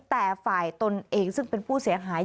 แต่ฝ่ายตนเองซึ่งเป็นผู้เสียหาย